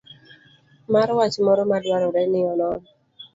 mar wach moro madwarore nionon.